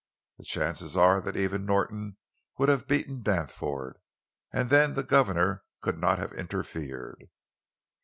"The chances are that even Norton would have beaten Danforth, and then the governor could not have interfered."